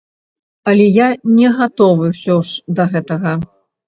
Але я не гатовы ўсё ж да гэтага.